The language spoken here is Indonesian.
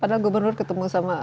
padahal gubernur ketemu sama